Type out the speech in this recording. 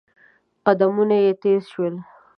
قدمونه يې تېز شول.